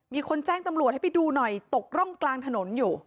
มีคนแจ้งตำรวจให้ไปดูหน่อยตกร่องกลางถนนอยู่